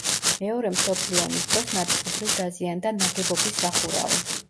მეორე მსოფლიო ომის დროს ნაწილობრივ დაზიანდა ნაგებობის სახურავი.